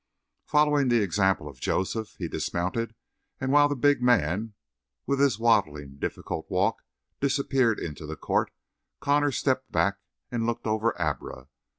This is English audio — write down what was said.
Following the example of Joseph, he dismounted, and while the big man, with his waddling, difficult walk, disappeared into the court, Connor stepped back and looked over Abra.